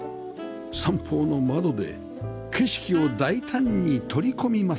三方の窓で景色を大胆に取り込みます